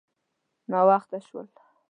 _ناوخته شول.